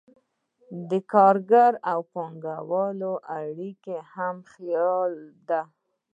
د کارګر او پانګهوال اړیکه هم خیالي ده.